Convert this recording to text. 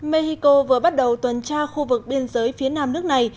mexico vừa bắt đầu tuần tra khu vực biên giới phía nam nước này